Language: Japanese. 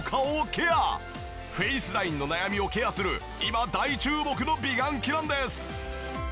フェイスラインの悩みをケアする今大注目の美顔器なんです。